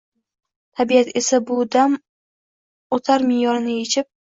Tabiat esa bu dam otar me’yorni yechib: